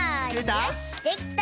よしできた！